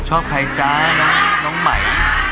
ชอบคลายจ่ายน้องไหม